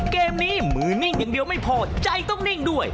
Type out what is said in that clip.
เกมนี้มือนิ่งอย่างเดียวไม่พอใจต้องนิ่งด้วย